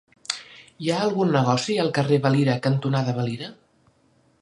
Hi ha algun negoci al carrer Valira cantonada Valira?